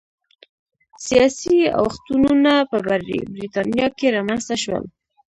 سیاسي اوښتونونه په برېټانیا کې رامنځته شول